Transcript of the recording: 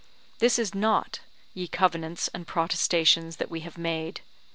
This is not, ye Covenants and Protestations that we have made!